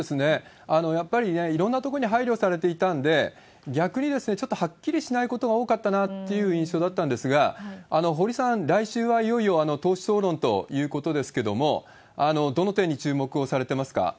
やっぱりいろんなところに配慮されていたんで、逆にちょっとはっきりしないことが多かったなっていう印象だったんですが、堀さん、来週はいよいよ党首討論ということですけれども、どの点に注目をされてますか？